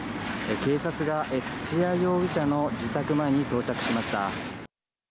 警察が土屋容疑者の自宅前に到着しました。